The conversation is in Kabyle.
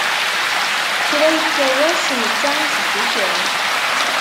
Kra yekka wass netta iteddu kan.